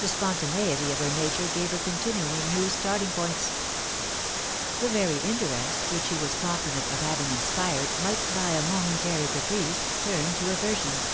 The spontaneity of her nature gave her con tinually new starting points. The very interest which he was confident of having inspired might by a momentary caprice turn to aversion.